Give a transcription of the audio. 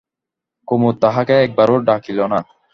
কুমুদ তাহাকে একবারও ডাকিল না।